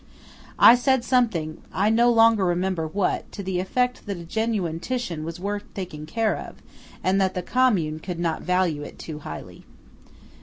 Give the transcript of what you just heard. I said something, I no longer remember what, to the effect that a genuine Titian was worth taking care of, and that the Commune could not value it too highly.